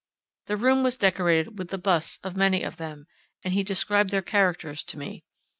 The room was decorated with the busts of many of them, and he described their characters to me.